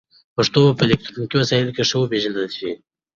پښتو به په الکترونیکي وسایلو کې ښه وپېژندل شي.